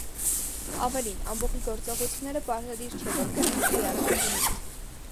Ավելին, ամբոխի գործողությունները պարտադիր չէ, որ կրեն քրեական բնույթ։